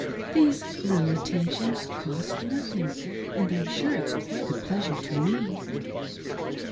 These little attentions cost nothing, and I'm sure it's quite a pleasure to me."